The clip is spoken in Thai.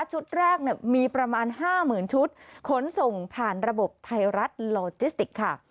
ชุดแรกมีประมาณ๕๐๐๐ชุดขนส่งผ่านระบบไทยรัฐโลจิสติกค่ะ